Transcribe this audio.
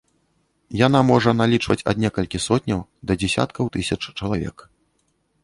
Яна можа налічваць ад некалькі сотняў да дзесяткаў тысяч чалавек.